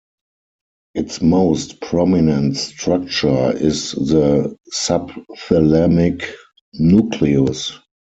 Its most prominent structure is the subthalamic nucleus.